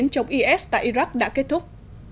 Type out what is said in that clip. trong is tại iraq đã kết thúc